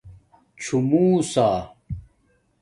څُݸمُوسݳ